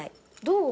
どう？